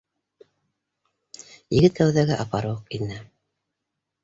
Егет кәүҙәгә апаруҡ ине